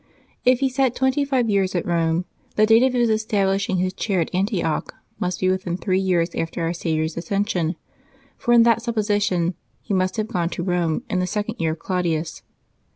If he sat twenty five years at Eome, the date of his establishing his chair at Antioch must be w^ithin three years after Our Saviour's Ascension ; for in that supposition he must have gone to Eome in the second year of Claudius.